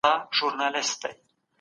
د ماشومانو کار کول غیر قانوني وو.